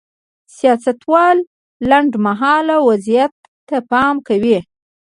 سیاستوال لنډ مهال وضعیت ته پام کوي.